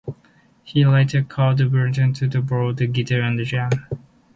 He later called Badiang to borrow a guitar and jam.